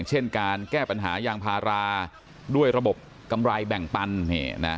เช่นการแก้ปัญหายางพาราด้วยระบบกำไรแบ่งปัน